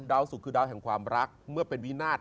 สุกคือดาวแห่งความรักเมื่อเป็นวินาศ